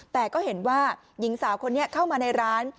แต่ก็เห็นว่าหญิงสาวคนนี้เข้ามาในร้าน